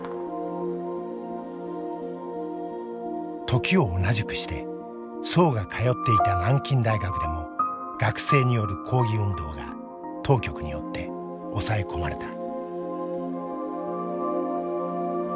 時を同じくして曽が通っていた南京大学でも学生による抗議運動が当局によって押さえ込まれた。